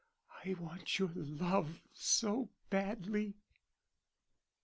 I want your love so badly."